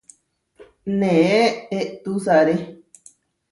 Neʼé eʼtusaré.